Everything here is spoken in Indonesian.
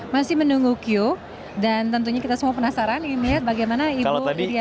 masih menunggu cue dan tentunya kita semua penasaran ini ya bagaimana ibu iryana